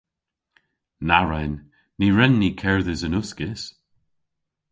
Na wren! Ny wren ni kerdhes yn uskis.